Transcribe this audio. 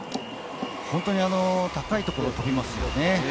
本当に高いところを飛びますよね。